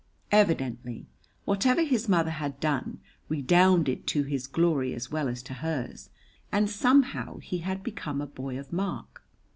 Evidently, whatever his mother had done redounded to his glory as well as to hers, and somehow he had become a boy of mark.